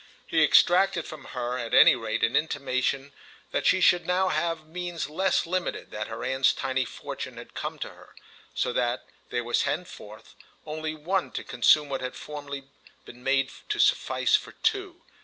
He extracted from her at any rate an intimation that she should now have means less limited, that her aunt's tiny fortune had come to her, so that there was henceforth only one to consume what had formerly been made to suffice for two.